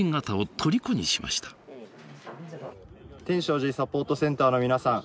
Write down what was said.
天正寺サポートセンターの皆さん。